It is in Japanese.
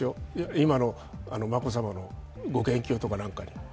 今の眞子さまのご研究とか何かの。